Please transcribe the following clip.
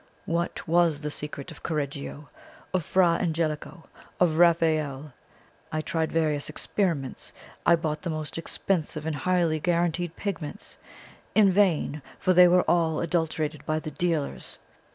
What was the secret of Correggio of Fra Angelico of Raphael? I tried various experiments; I bought the most expensive and highly guaranteed pigments. In vain, for they were all adulterated by the dealers!